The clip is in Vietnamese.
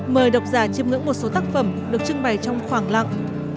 mời độc giả chiêm ngưỡng một số tác phẩm được trưng bày trong khoảng lặng